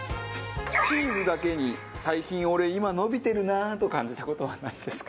チーズだけに最近俺今伸びてるなと感じた事はなんですか？